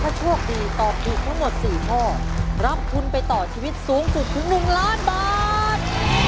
ถ้าโชคดีตอบถูกทั้งหมด๔ข้อรับทุนไปต่อชีวิตสูงสุดถึง๑ล้านบาท